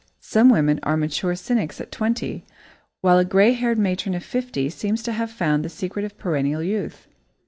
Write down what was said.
Some women are mature cynics at twenty, while a grey haired matron of fifty seems to have found the secret of perennial youth.